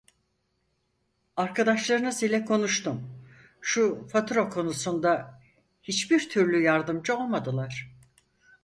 Arkadaşlarınız ile konuştum, şu fatura konusunda hiçbir türlü yardımcı olmadılar